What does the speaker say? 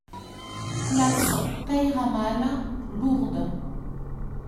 Place Peyramale, Lourdes